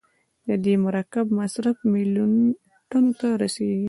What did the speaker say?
د دې مرکب مصرف میلیون ټنو ته رسیږي.